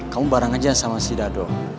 kamu bareng aja sama si dado